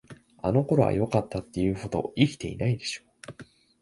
あの頃はよかった、って言うほど生きてないでしょ。